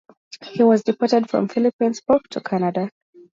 He was deported from the Philippines back to Canada.